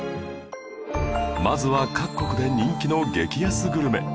まずは各国で人気の激安グルメ